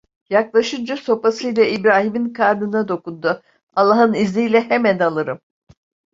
Yaklaşınca sopasıyla İbrahim'in karnına dokundu: "Allahın izniyle hemen alırım…"